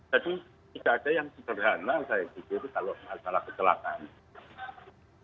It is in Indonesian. tidak ada yang sederhana saya pikir kalau masalah kecelakaan